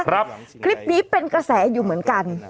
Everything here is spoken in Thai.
คลิปนี้เป็นกระแสอยู่เหมือนกัน